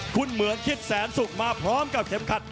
คุณเหมืองคิดแสนสุขมาพร้อมกับเข็มขัด